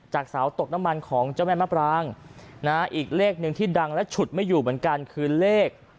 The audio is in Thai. สาวตกน้ำมันของเจ้าแม่มะปรางอีกเลขหนึ่งที่ดังและฉุดไม่อยู่เหมือนกันคือเลข